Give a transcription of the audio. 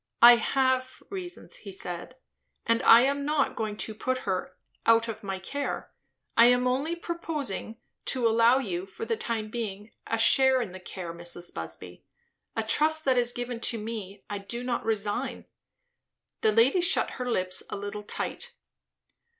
"I have reasons," he said. "And I am not going to put her 'out of my care.' I am only purposing to allow you, for the time being, a share in the care, Mrs. Busby. A trust that is given to me, I do not resign." The lady shut her lips a little tight.